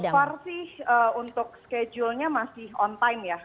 so far sih untuk schedule nya masih on time ya